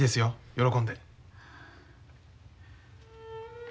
喜んで。